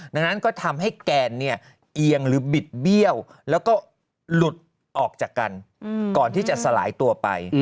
ดังนั้นก็ทำให้แกนเนี่ยเอียงหรือบิดเบี้ยวแล้วก็หลุดออกจากกันก่อนที่จะสลายตัวไป